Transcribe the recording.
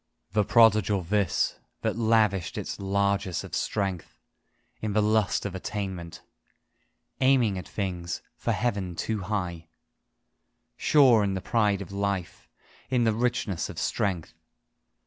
The prodigal this, that lavished its largess of strength In the lust of attainment. Aiming at things for Heaven too high, Sure in the pride of life, in the richness of strength.